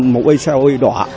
màu xe đỏ